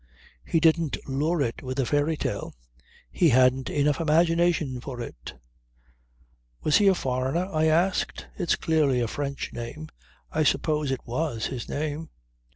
He didn't lure it with a fairy tale. He hadn't enough imagination for it ..." "Was he a foreigner?" I asked. "It's clearly a French name. I suppose it was his name?"